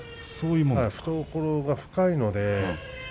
懐が深いので。